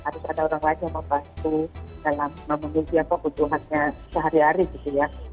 harus ada orang lain yang membantu dalam memimpin kebutuhan sehari hari gitu ya